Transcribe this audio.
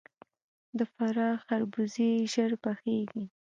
د فراه خربوزې ژر پخیږي.